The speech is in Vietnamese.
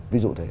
ví dụ thế